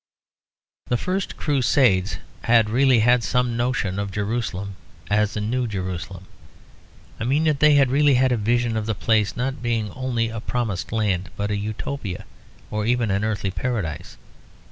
The first Crusades had really had some notion of Jerusalem as a New Jerusalem. I mean they had really had a vision of the place being not only a promised land but a Utopia or even an Earthly Paradise.